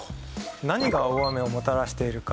何が大雨をもたらしているかわかりますか？